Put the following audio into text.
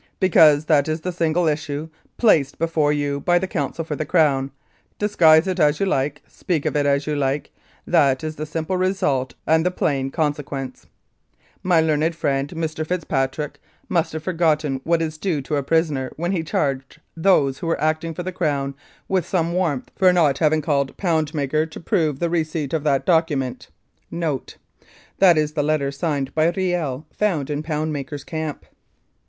Because that is the single issue placed before you by counsel for the Crown ; disguise it as you like, speak of it as you like, that is the simple result and the plain consequence. ..." My learned friend, Mr. Fitzpatrick, must have forgotten what is due to a prisoner when he charged those who were acting for the Crown with some warmth for not having called 225 Mounted Police Life in Canada Poundmaker to prove the receipt of that document. [N.B. That is the letter signed by Kiel, found in Poundmaker 's camp.